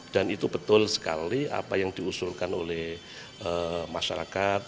dan itu betul sekali apa yang diusulkan oleh masyarakat